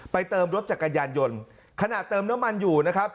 เติมรถจักรยานยนต์ขณะเติมน้ำมันอยู่นะครับ